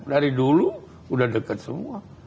dari dulu sudah dekat semua